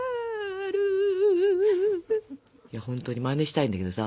本当にマネしたいんだけどさ